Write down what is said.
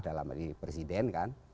dalam ini presiden kan